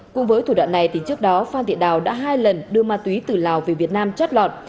cùng với thủ đoạn này trước đó phan thị đào đã hai lần đưa ma túy từ lào về việt nam chót lọt